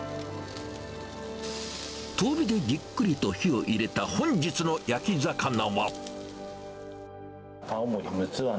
遠火でじっくりと火を入れた本日の焼き魚は。